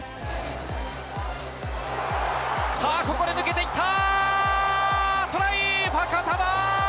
さあ、ここで抜けていった。